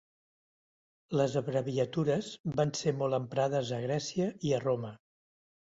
Les abreviatures van ser molt emprades a Grècia i a Roma.